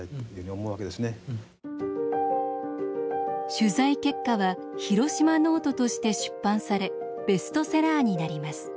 取材結果は「ヒロシマ・ノート」として出版されベストセラーになります。